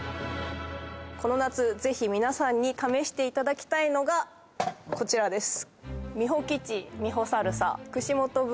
ぜひ皆さんに試していただきたいのがこちらです